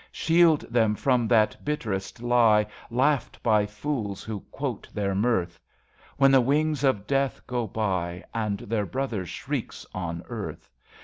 Shield them from that bitterest lie Laughed by fools who quote their mirth. When the wings of death go by And their brother shrieks on earth.